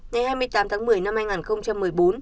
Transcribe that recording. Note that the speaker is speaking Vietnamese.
ngày hai mươi tám tháng một mươi năm hai nghìn một mươi bốn